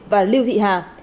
và lưu thị hà